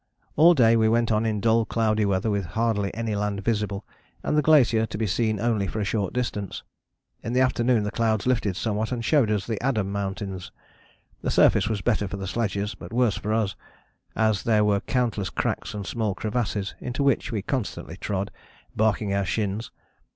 "All day we went on in dull cloudy weather with hardly any land visible, and the glacier to be seen only for a short distance. In the afternoon the clouds lifted somewhat and showed us the Adam Mountains. The surface was better for the sledges but worse for us, as there were countless cracks and small crevasses, into which we constantly trod, barking our shins.